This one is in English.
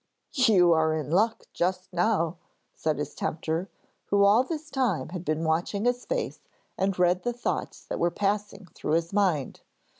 'You are in luck just now,' said his tempter, who all this time had been watching his face and read the thoughts that were passing through his mind.